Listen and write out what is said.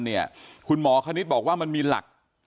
คณะแพทยศาสตร์ของธรรมศาสตร์นะครับท่านบอกว่าการผ่าตัดไขมันส่วนเกินออก